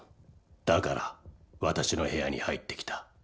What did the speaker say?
だから私の部屋に入ってきた。